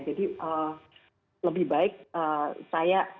jadi lebih baik saya dengar dulu sebelum saya berkomunikasi